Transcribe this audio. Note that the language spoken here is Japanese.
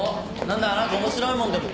何か面白いもんでも。